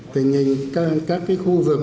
tình hình các khu vực